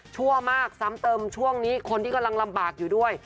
ชั่วมากซ้ำเติมช่วงนี้คนที่กำลังลำบากอยู่ด้วย